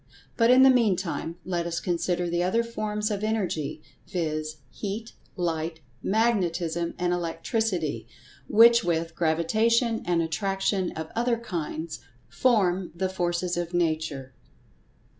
But, in the meantime, let us consider the other forms of Energy, viz., Heat, Light, Magnetism and Electricity, which with Gravitation and Attraction of other kinds, form the Forces of Nature.